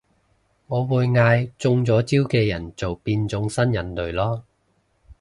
我會嗌中咗招嘅人做變種新人類囉